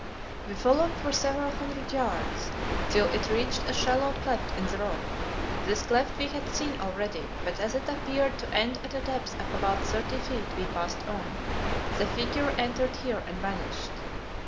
We followed for several hundred yards till it reached a shallow cleft in the rock. This cleft we had seen already, but as it appeared to end at a depth of about thirty feet, we passed on. The figure entered here and vanished.